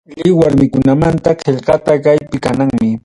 Lliw warmikunamanta qillqaqa, kaypi kananmi.